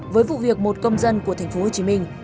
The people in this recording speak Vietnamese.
với vụ việc một công dân của thành phố hồ chí minh